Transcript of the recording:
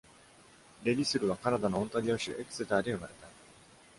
デ・リスルはカナダのオンタリオ州エクセターで生まれた。